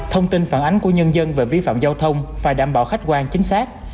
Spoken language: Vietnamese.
thông tin phản ánh của nhân dân về vi phạm giao thông phải đảm bảo khách quan chính xác